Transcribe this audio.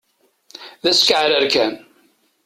D askeɛrer kan!